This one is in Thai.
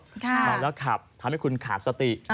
เมาแล้วขับทำให้คุณขาดสติ